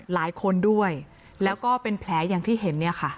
หลายคนด้วยแล้วก็เป็นแผลอย่างที่เห็นเนี่ยค่ะ